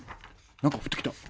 何か降ってきた。